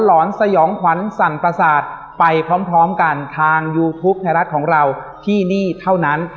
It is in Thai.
หอนสยองขวัญสั่นประสาทไปพร้อมกันทางยูทูปไทยรัฐของเราที่นี่เท่านั้น